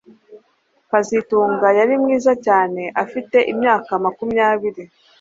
kazitunga yari mwiza cyane afite imyaka makumyabiri